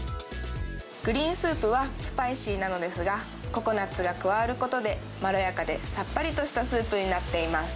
グリーンスープはスパイシーなのですが、ココナツが加わることでまろやかでさっぱりとしたスープになっています。